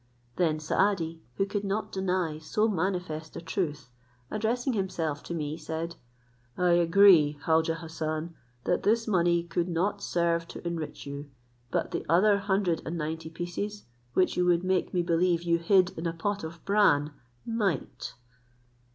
Then Saadi, who could not deny so manifest a truth, addressing himself to me said, "I agree, Khaujeh Hassan, that this money could not serve to enrich you; but the other hundred and ninety pieces, which you would make me believe you hid in a pot of bran, might."